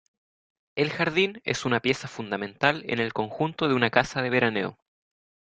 El jardín es una pieza fundamental en el conjunto de una casa de veraneo.